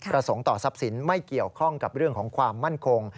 ประสงค์ต่อทรัพย์สินไม่เกี่ยวข้องกับเรื่องของความมั่นคง